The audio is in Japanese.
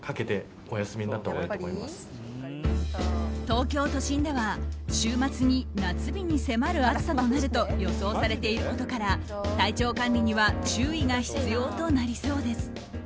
東京都心では週末に夏日に迫る暑さになると予想されていることから体調管理には注意が必要となりそうです。